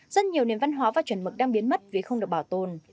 rất nhiều nền văn hóa và chuẩn mực đang biến mất vì không được bảo tồn